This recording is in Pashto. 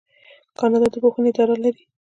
کاناډا د پوهنې اداره لري.